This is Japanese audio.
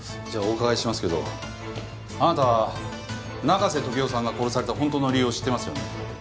じゃあお伺いしますけどあなた中瀬時雄さんが殺された本当の理由を知ってますよね。